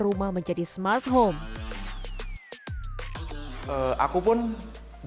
rumah menjadi smart home aku pun biasa banget ya kalau kita mau ngobrol ngobrol di rumah ini kita bisa